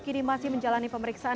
kini masih menjalani pemeriksaan